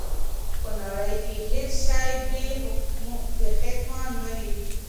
په نړۍ کي هیڅ شی بې حکمه نه وي.